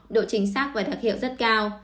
độ chính xác và đặc hiệu rất cao